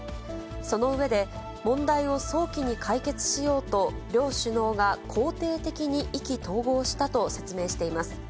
その上で、問題を早期に解決しようと両首脳が肯定的に意気投合したと説明しています。